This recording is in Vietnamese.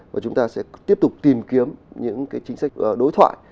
và chúng ta sẽ tiếp tục tìm kiếm những chính sách đối thoại